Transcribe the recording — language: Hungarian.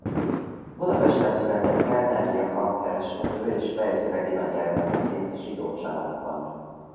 Budapesten született Kellner Jakab kereskedő és Weisz Regina gyermekeként zsidó családban.